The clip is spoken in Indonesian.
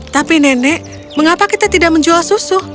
tapi nenek mengapa kita tidak menjual susu